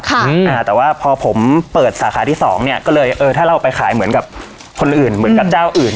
แต่ว่าพอผมเปิดสาขาที่สองเนี้ยก็เลยเออถ้าเราไปขายเหมือนกับคนอื่นเหมือนกับเจ้าอื่น